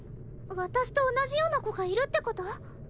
私と同じような子がいるってこと？